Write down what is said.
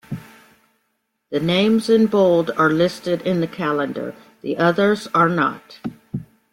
The names in bold are listed in the calendar, the others are not.